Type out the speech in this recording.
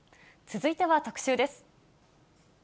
続いては特集です。